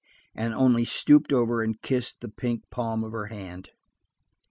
–and only stooped over and kissed the pink palm of her hand.